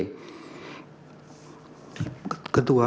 jadi kita harus menggunakan aplikasi yang terbaik